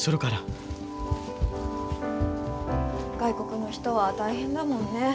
外国の人は大変だもんね。